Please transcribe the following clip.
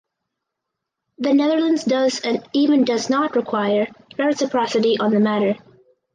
The Netherlands does and even does not require reciprocity on the matter.